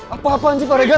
apa apaan sih pak regar